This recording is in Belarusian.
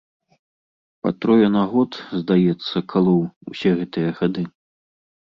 Па трое на год, здаецца, калоў, усе гэтыя гады.